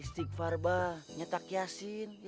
istighfar bah nyetak yasin